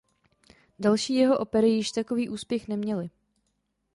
Další jeho opery již takový úspěch neměly.